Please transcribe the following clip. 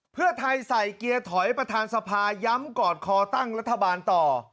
เพื่อไทยใส่เกียร์ถอยประธานสภาย้ำกอดคอตั้งรัฐบาลต่อ